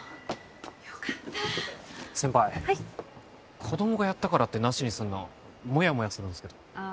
よかった先輩子供がやったからってなしにすんのモヤモヤするんですけどあ